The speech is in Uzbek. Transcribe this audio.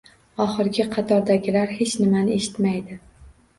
Oxirgi qatordagilar hech nimani eshitmaydi.